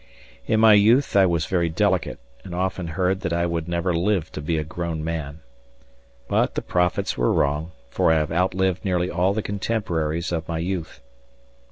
In my youth I was very delicate and often heard that I would never live to be a grown man. But the prophets were wrong, for I have outlived nearly all the contemporaries of my youth.